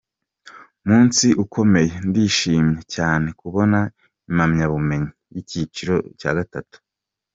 munsi ukomeye! Ndishishimye cyane kubona impamyabumenyi yicyiciro cya gatatu.